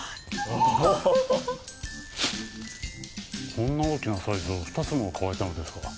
こんな大きなサイズを２つも買われたのですか？